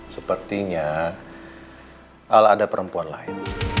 sepertinya kalau ada perempuan lain